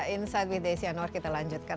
insight with desi anwar kita lanjutkan